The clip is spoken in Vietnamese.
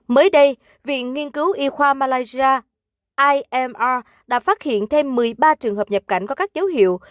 mới đây viện nghiên cứu y khoa malaysia imr đã phát hiện thêm một mươi ba trường hợp nhập cảnh có các dấu hiệu